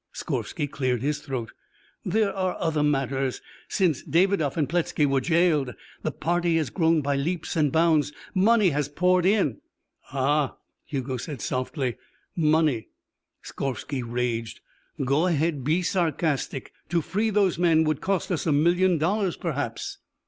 Skorvsky cleared his throat. "There are other matters. Since Davidoff and Pletzky were jailed, the party has grown by leaps and bounds. Money has poured in " "Ah," Hugo said softly, "money." Skorvsky raged. "Go ahead. Be sarcastic. To free those men would cost us a million dollars, perhaps."